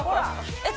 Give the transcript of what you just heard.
えっ